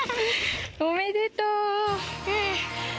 おめでとう。